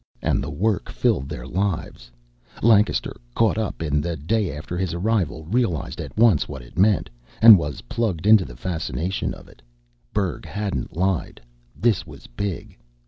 And the work filled their lives. Lancaster was caught up in it the "day" after his arrival, realized at once what it meant, and was plunged into the fascination of it. Berg hadn't lied; this was big!